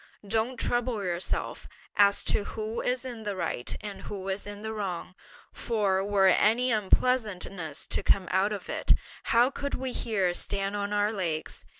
Don't trouble yourself as to who is in the right, and who is in the wrong; for were any unpleasantness to come out of it, how could we here stand on our legs?